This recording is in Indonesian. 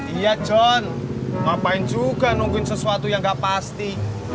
iya jon ngapain juga nungguin sesuatu yang nggak pasti